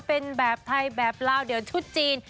เป็นแบบไทยแบบลาวเดี๋ยวชุดจีน